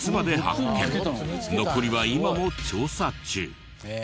残りは今も調査中。